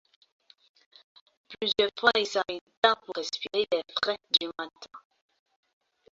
Plusieurs fois il s’arrêta pour respirer l’air frais du matin.